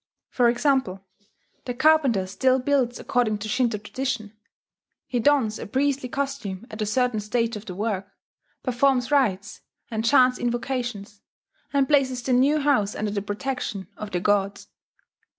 For example, the carpenter still builds according to Shinto tradition: he dons a priestly costume at a certain stage of the work, performs rites, and chants invocations, and places the new house under the protection of the gods.